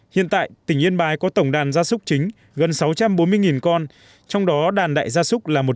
hiện tại tỉnh yên bái có tổng đàn gia súc chính gần sáu trăm bốn mươi con trong đó đàn đại gia súc là một trăm ba mươi bốn con